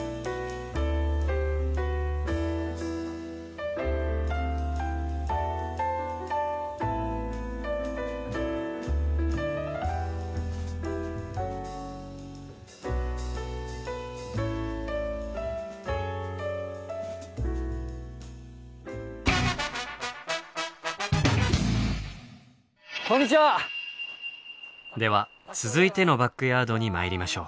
では続いてのバックヤードにまいりましょう。